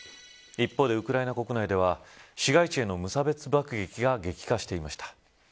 一方で、ウクライナ国内では市街地への無差別爆撃が激化していました。